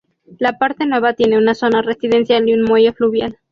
La parte nueva tiene una zona residencial y un muelle fluvial.